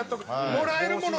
もらえるもの